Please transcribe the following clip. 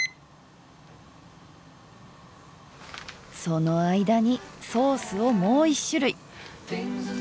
その間にソースをもう一種類。